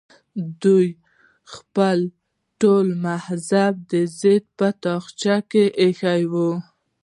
دوی خپل ټول مذهبي ضد په تاخچه کې ایښی وي.